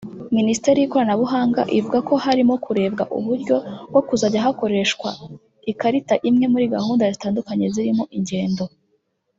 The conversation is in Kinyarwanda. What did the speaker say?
Minisiteri y’ikoranabuhanga ivuga ko harimo kurebwa uburyo bwo kuzajya hakoreshwa ikarita imwe muri gahunda zitandukanye zirimo ingendo